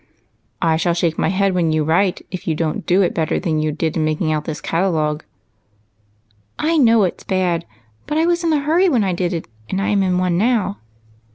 "I shall shake my head when you write, if you don't do it better than you did in making out this catalogue." " I know it 's bad, but I was in a hurry when I did it, and I am in one now."